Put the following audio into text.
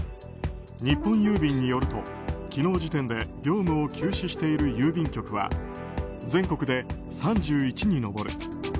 日本郵便によると、昨日時点で業務を休止している郵便局は全国で３１に上る。